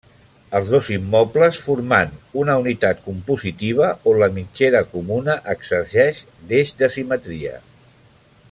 Els dos immobles formant una unitat compositiva on la mitgera comuna exerceix d'eix de simetria.